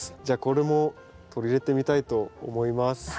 じゃあこれも取り入れてみたいと思います。